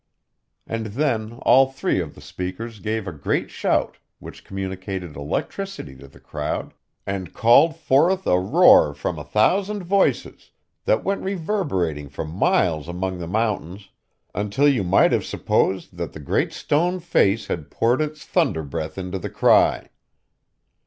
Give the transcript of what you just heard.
And then all three of the speakers gave a great shout, which communicated electricity to the crowd, and called forth a roar from a thousand voices, that went reverberating for miles among the mountains, until you might have supposed that the Great Stone Face had poured its thunder breath into the cry.